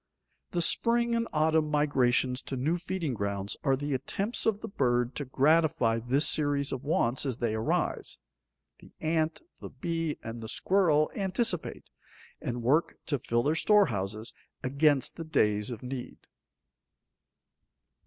The spring and autumn migrations to new feeding grounds are the attempts of the bird to gratify this series of wants as they arise. The ant, the bee, and the squirrel anticipate, and work to fill their storehouses against the days of need.